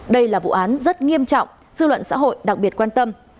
đây là vụ án rất nghiêm trọng dư luận xã hội đặc biệt quan tâm